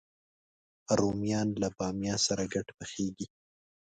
رومیان له بامیه سره ګډ پخېږي